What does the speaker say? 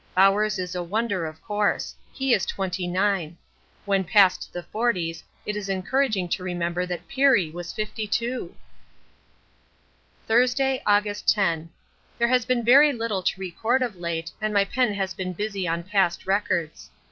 Bowers is a wonder of course. He is 29. When past the forties it is encouraging to remember that Peary was 52!! Thursday, August 10. There has been very little to record of late and my pen has been busy on past records.